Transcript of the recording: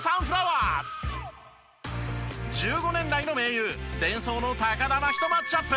１５年来の盟友デンソーの高田真希とマッチアップ。